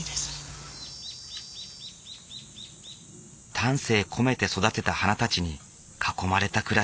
丹精込めて育てた花たちに囲まれた暮らし。